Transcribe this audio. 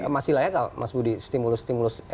masih layak nggak mas budi stimulus stimulus